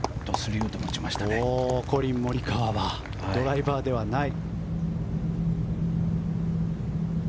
コリン・モリカワはドライバーではない。